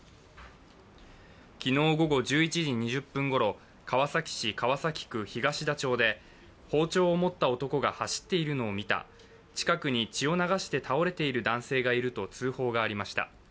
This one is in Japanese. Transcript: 昨日午後１１時２０分ごろ、川崎市川崎区東田町で包丁を持った男が走っているのを見た、近くに血を流して倒れている男性がいると通報がありました。